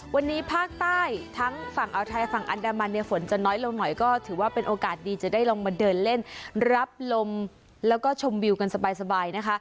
วันนี้ภาคใต้ทั้งฝั่งอ่าวไทยฝั่งอันดามันเนี่ยฝนจะน้อยลงหน่อยก็ถือว่าเป็นโอกาสดีจะได้ลองมาเดินเล่นรับลมแล้วก็ชมวิวกันสบายนะคะ